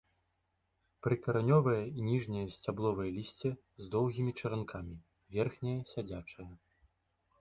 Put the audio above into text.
Прыкаранёвае і ніжняе сцябловае лісце з доўгімі чаранкамі, верхняе сядзячае.